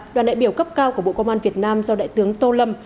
đoàn đại biểu cấp cao của bộ công an việt nam do đại tướng tô lâm